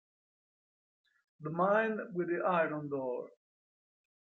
The Mine with the Iron Door